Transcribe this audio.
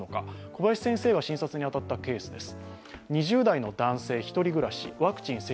小林先生が診察に当たったケースです。